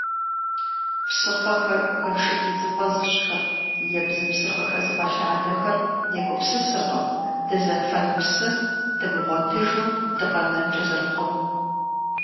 Псыхъуэхэр куэншыб идзыпӀэ зыщӀхэр, ебзыпсыр къыхэзыгъэлъадэхэр егупсысыркъым дызэфэн псы дымыгъуэтыжу дыкъэнэнкӀэ зэрыхъунум.